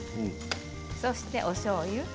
そして、おしょうゆ。